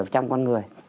trong con người